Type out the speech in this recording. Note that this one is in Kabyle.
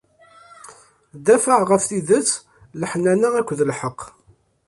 Dafeɛ ɣef tidet, leḥnana akked lḥeqq!